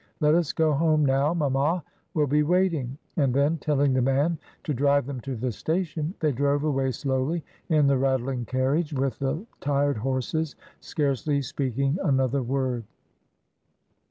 Let us go home now, mamma will be waiting." And then, telling the man to drive them to the station, they drove away slowly in the rattling carriage, with the tired horses, scarcely speaking another word.